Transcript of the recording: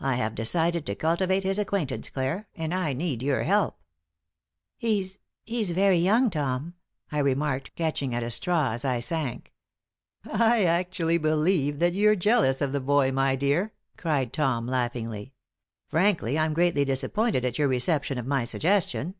I have decided to cultivate his acquaintance, Clare, and I need your help." "He's he's very young, Tom," I remarked, catching at a straw as I sank. "I actually believe that you're jealous of the boy, my dear," cried Tom, laughingly. "Frankly, I'm greatly disappointed at your reception of my suggestion.